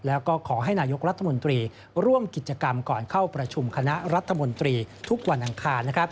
แล้วก็ขอให้นายกรัฐมนตรีร่วมกิจกรรมก่อนเข้าประชุมคณะรัฐมนตรีทุกวันอังคาร